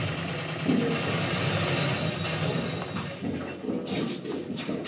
iliyoshiriki michuano ya kombe la mataifa ya afrika